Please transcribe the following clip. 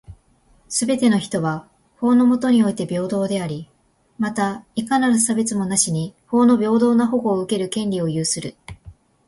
すべての人は、法の下において平等であり、また、いかなる差別もなしに法の平等な保護を受ける権利を有する。